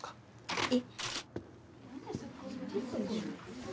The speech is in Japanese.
えっ。